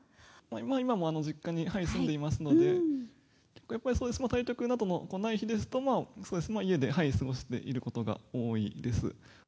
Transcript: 今も実家に住んでいますので、やっぱり、対局などない日ですと、家で過ごしていることが多いです。